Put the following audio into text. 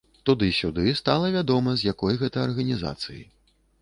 Туды-сюды, стала вядома з якой гэта арганізацыі.